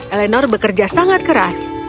eleanor bekerja sangat keras